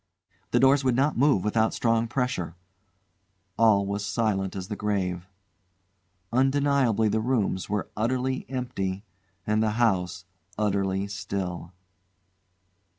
The doors would not move without strong pressure. All was silent as the grave. Undeniably the rooms were utterly empty, and the house utterly still.